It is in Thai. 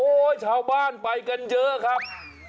ชาวบ้านไปกันเยอะครับ